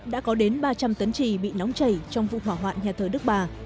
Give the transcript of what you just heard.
đã có đến ba trăm linh tấn trì bị nóng chảy trong vụ hỏa hoạn nhà thờ đức bà